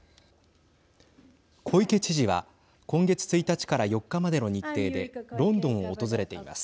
小池知事は今月１日から４日までの日程でロンドンを訪れています。